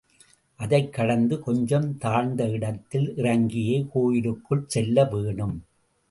அதைக் கடந்து கொஞ்சம் தாழ்ந்த இடத்தில் இறங்கியே கோயிலுக்குள் செல்ல வேணும்.